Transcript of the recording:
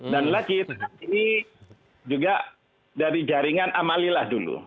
dan lagi ini juga dari jaringan amalillah dulu